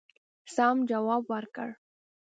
سم جواب ورکړ.